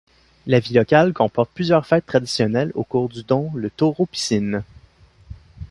La vie locale comporte plusieurs fêtes traditionnelles au cours du dont le taureau-piscine.